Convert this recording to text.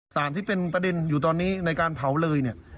ที่เป็นประเด็นอยู่ตอนนี้ในการเผาเลยเนี่ย